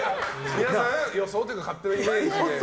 皆さん、予想というか勝手なイメージで。